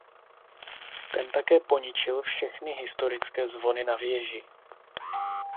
Ten také poničil všechny historické zvony na věži.